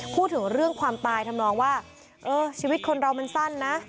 พูดถึงเรื่องความตายทำนองว่าเออชีวิตคนเรามันสั้นนะ